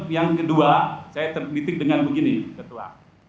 yang kedua saya terdidik dengan begini ketua